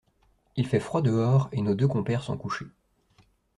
Il fait froid dehors et nos deux compères sont couchés.